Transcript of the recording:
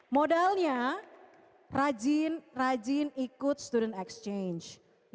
modalnya rajin ikut student exchange